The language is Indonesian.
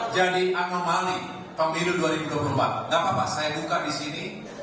jadi anomali pemilu dua ribu dua puluh empat saya bukan disini